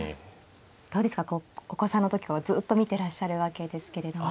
どうですかこうお子さんの時からずっと見てらっしゃるわけですけれども。